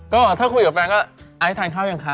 ก็ถ้าคุยกับแฟนก็ไอซ์ทานข้าวยังคะ